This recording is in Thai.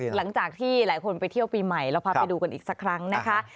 หลังจากที่หลายคนไปเที่ยวปีใหม่เราพาไปดูกันอีกสักครั้งนะคะ